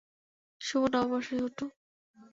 শুভ নববর্ষ, শুটু!